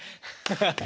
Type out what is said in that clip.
ハハハハ。